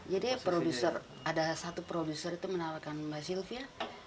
jadi ada satu produser itu menawarkan mbak sylvia